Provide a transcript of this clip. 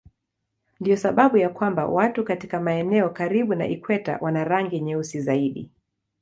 Ndiyo sababu ya kwamba watu katika maeneo karibu na ikweta wana rangi nyeusi zaidi.